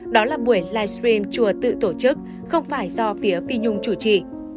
đó là buổi livestream chùa tự tổ chức không phải do phía phi nhung chủ trì